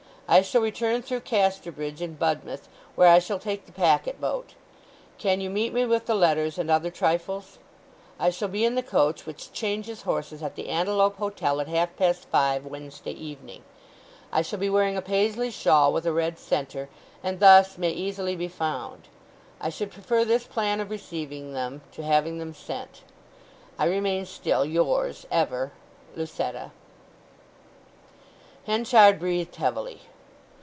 I shall return through Casterbridge and Budmouth, where I shall take the packet boat. Can you meet me with the letters and other trifles? I shall be in the coach which changes horses at the Antelope Hotel at half past five Wednesday evening; I shall be wearing a Paisley shawl with a red centre, and thus may easily be found. I should prefer this plan of receiving them to having them sent.—I remain still, yours; ever, "LUCETTA" Henchard breathed heavily.